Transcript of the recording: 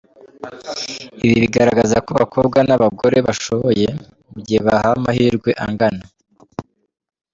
Ibi bigaragaza ko abakobwa n’abagore bashoboye mu gihe bahawe amahirwe angana.